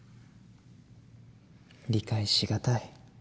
理解しがたい。